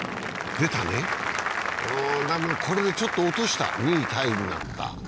出たね、これでちょっと落とした、２位タイになった。